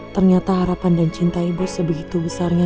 ternyata harapan dan cinta ibu sebegitu besarnya